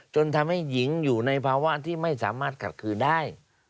จนทำให้หญิงอยู่ในภาวะที่ไม่สามารถขัดคืนได้